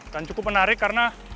dan cukup menarik karena